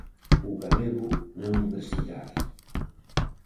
O galego na universidade.